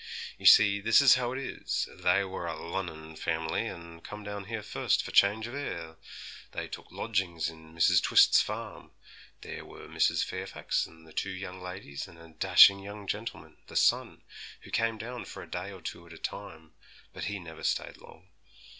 You see, this is how it is! They were a Lunnon family, and come down here first for change of air. They took lodgings in Mrs. Twist's farm; there were Mrs. Fairfax and the two young ladies, and a dashing young gentleman, the son, who came down for a day or two at a time, but he never stayed long.